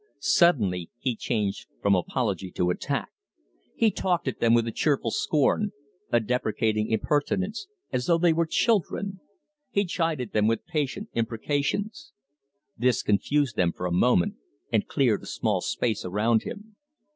Suddenly he changed from apology to attack. He talked at them with a cheerful scorn, a deprecating impertinence, as though they were children; he chided them with patient imprecations. This confused them for a moment and cleared a small space around him.